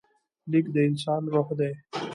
لیک د انسان روح دی.